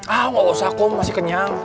ah nggak usah kok masih kenyang